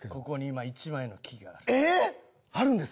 ここに今１枚の木がある。